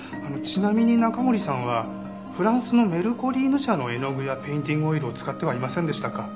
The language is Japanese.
ちなみに中森さんはフランスのメルコリーヌ社の絵の具やペインティングオイルを使ってはいませんでしたか？